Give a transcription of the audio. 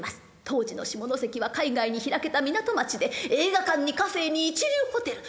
当時の下関は海外に開けた港町で映画館にカフェに一流ホテル。